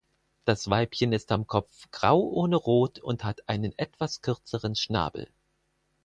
Das Weibchen ist am Kopf grau ohne Rot und hat einen etwas kürzeren Schnabel.